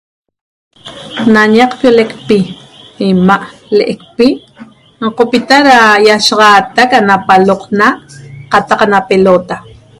Na ñaqpioleqpi imaa' leqpi ñoqpita da iashiaxateq na palocna cataq na pelota